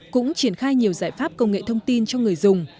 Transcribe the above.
cũng triển khai nhiều giải pháp công nghệ thông tin cho người dùng